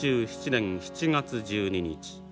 ４７年７月１２日。